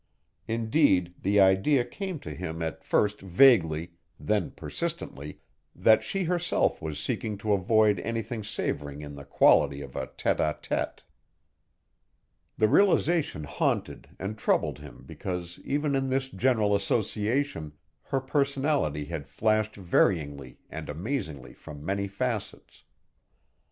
Indeed the idea came to him at first vaguely, then persistently, that she herself was seeking to avoid anything savoring of the quality of a tête à tête. The realization haunted and troubled him because even in this general association, her personality had flashed varyingly and amazingly from many facets.